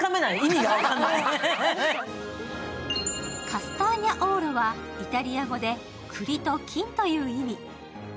カスターニャオーロは、イタリア語で栗と金という意味。